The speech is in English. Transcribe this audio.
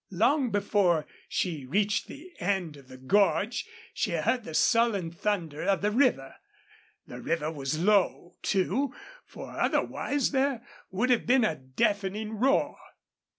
Long before she reached the end of the gorge she heard the sullen thunder of the river. The river was low, too, for otherwise there would have been a deafening roar.